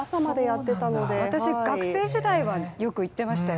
私も学生時代はよくいってましたよ。